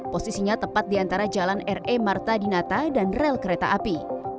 posisinya tepat di antara jalan re marta dinata dan rel kereta api